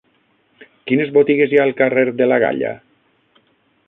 Quines botigues hi ha al carrer de la Galla?